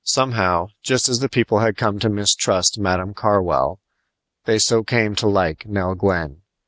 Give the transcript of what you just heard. Somehow, just as the people had come to mistrust "Madam Carwell," so they came to like Nell Gwyn.